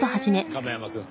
亀山くん。